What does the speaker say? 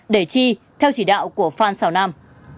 để chi theo chỉ đạo của phan xảo nam